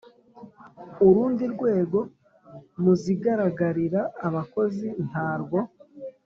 Urundi rwego mu zihagararira abakozi ntarwo.